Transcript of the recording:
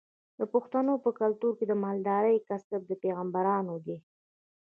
د پښتنو په کلتور کې د مالدارۍ کسب د پیغمبرانو دی.